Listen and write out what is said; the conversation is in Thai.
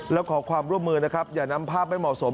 แล้วขอความร่วมมือนะครับอย่านำภาพไม่เหมาะสม